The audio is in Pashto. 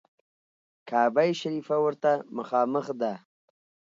کعبه شریفه ورته مخامخ ده.